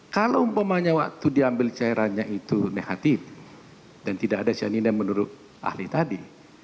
kalau umpamanya waktu diambil cairannya itu negatif dan tidak ada cyanida menurut ahli tadi